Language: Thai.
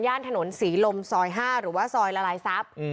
ถนนศรีลมซอย๕หรือว่าซอยละลายทรัพย์